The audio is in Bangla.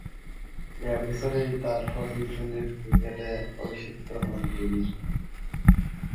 এ বছরেই তার প্রথম-শ্রেণীর ক্রিকেটে অভিষিক্ত হন তিনি।